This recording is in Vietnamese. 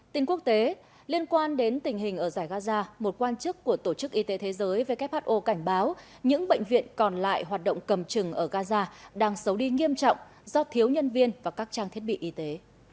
tin quốc tế liên quan đến tình hình ở giải gaza một quan chức của tổ chức y tế thế giới who cảnh báo những bệnh viện còn lại hoạt động cầm trừng ở gaza đang xấu đi nghiêm trọng do thiếu nhân viên và các trang thiết bị y tế